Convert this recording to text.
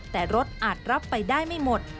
แต่รถอาจรับไปได้ไม่หมด